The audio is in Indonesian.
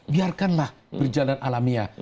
biarkanlah berjalan alamiah